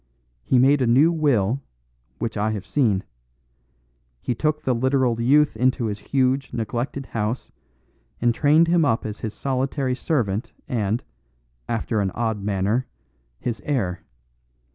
He made a new will, which I have seen. He took the literal youth into his huge, neglected house, and trained him up as his solitary servant and after an odd manner his heir.